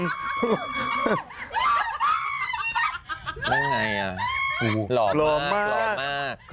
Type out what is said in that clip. เท่านี้ไงอ่ะหูหล่อมากหล่อมาก